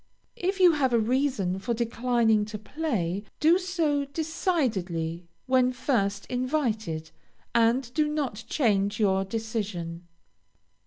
If you have a reason for declining to play, do so decidedly when first invited, and do not change your decision.